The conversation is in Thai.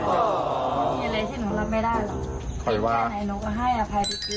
มีอะไรที่หนูรับไม่ได้หรอก